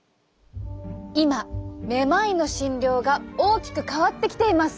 今めまいの診療が大きく変わってきています。